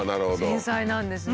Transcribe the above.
繊細なんですね。